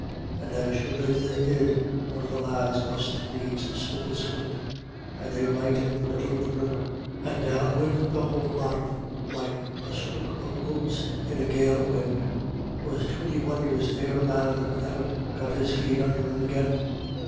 And as sure as they did, one of the lads must needs slip his fut, and they right in the middle of the river, and down wid the whole lot of thim, like a stook of oats in a gale of win'; 'twas twinty wonders e'er a man of thim ever got his feet under him agin.